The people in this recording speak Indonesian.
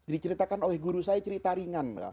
diceritakan oleh guru saya cerita ringan